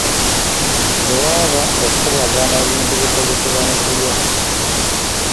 Tewaba okugabana bintu ebikozesebwa mu kulya.